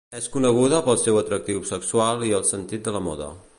És coneguda pel seu atractiu sexual i el sentit de la moda.